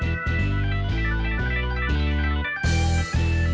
waalaikumsalam warahmatullahi wabarakatuh